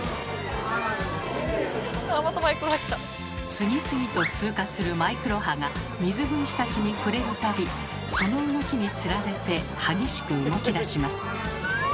次々と通過するマイクロ波が水分子たちに触れる度その動きにつられて激しく動きだします。